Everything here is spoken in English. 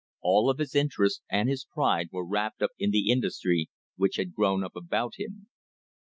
All of his interests and his pride were wrapped up n the industry which had grown up about him.